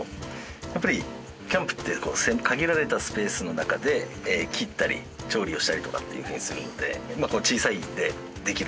やっぱりキャンプって限られたスペースの中で切ったり調理をしたりとかっていうふうにするので小さいのでできるという。